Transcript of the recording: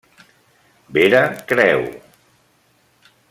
Vera Creu.